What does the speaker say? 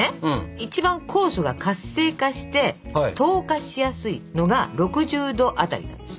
一番酵素が活性化して糖化しやすいのが６０℃辺りなんですよ。